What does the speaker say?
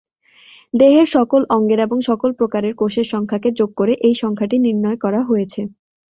দেহের সকল অঙ্গের এবং সকল প্রকারের কোষের সংখ্যাকে যোগ করে এই সংখ্যাটি নির্ণয় করা হয়েছে।